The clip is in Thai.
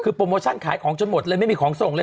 คือโปรโมชั่นขายของจนหมดเลยไม่มีของส่งเลย